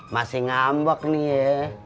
masih ngambek nih ya